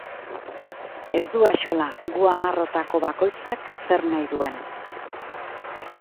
Ez du axola gu hamarrotako bakoitzak zer nahi duen.